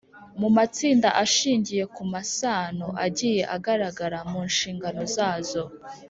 mu matsinda ashingiye ku masano agiye agaragara mu nshingano zazo.